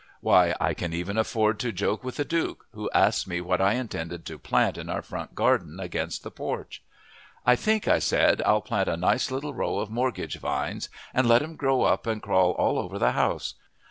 Why, I can even afford to joke with the Duke, who asked me what I intended to plant in our front garden against the porch. "I think," I said, "I'll plant a nice little row of mortgage vines and let 'em grow up and crawl all over the house.